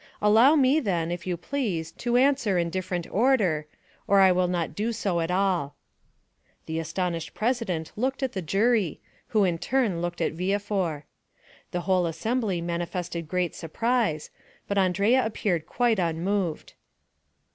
Allow me, then, if you please, to answer in different order, or I will not do so at all." The astonished president looked at the jury, who in turn looked at Villefort. The whole assembly manifested great surprise, but Andrea appeared quite unmoved.